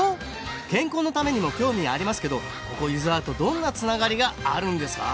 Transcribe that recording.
健康のためにも興味ありますけどここ湯沢とどんなつながりがあるんですか？